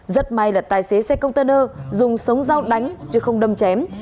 rất may là tài xế xe container dùng sống dao đánh chứ không đâm chém